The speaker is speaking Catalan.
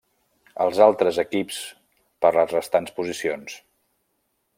Els altres equips per les restants posicions.